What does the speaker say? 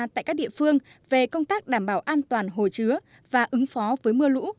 tại các địa phương về công tác đảm bảo an toàn hồ chứa và ứng phó với mưa lũ